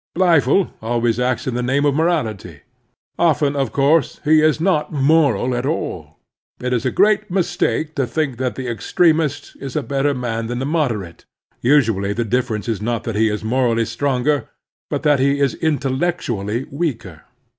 Blifil always acts in the name of morality. Often, of coiu^e, he is not moral at all. X3» The Strenuous Life It is a great mistake to think that the extremist is a better man than the moderate. Usually the difference is not that he is morally stronger, but that he is intellectually weaker.